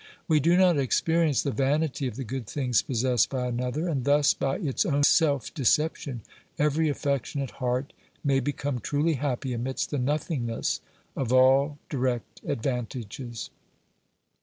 We do not experience the vanity of the good things possessed by another, and thus by its own self deception every affectionate heart may be come truly happy amidst the nothingness of all direct advantages.